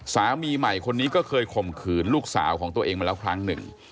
สามีใหม่คนนี้ก็เคยข่มขืนลูกสาวของตัวเองมาแล้วครั้งหนึ่ง